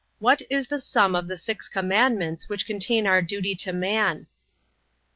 What is the sum of the six commandments which contain our duty to man? A.